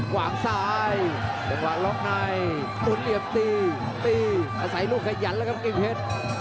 ขวางซ้ายขวางหลงในตุ้นเหลี่ยมตีตีอาศัยลูกขยันแล้วกับกิ้งเพชร